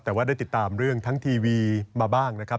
แต่ว่าได้ติดตามเรื่องทั้งทีวีมาบ้างนะครับ